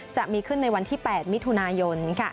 จะมีขึ้นในวันที่๘มิถุนายน